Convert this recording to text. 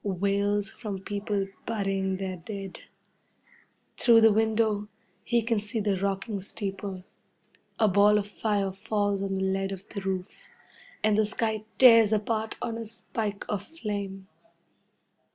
Wails from people burying their dead. Through the window, he can see the rocking steeple. A ball of fire falls on the lead of the roof, and the sky tears apart on a spike of flame.